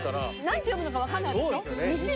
何て読むのか分かんないでしょ？